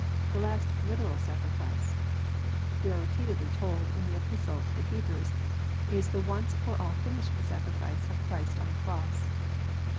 The last literal sacrifice, we are repeatedly told in THE LOWS SUPPER. 167 the Epistle to the Hebrews, is the once for all finished sacrifice of Christ on the Cross.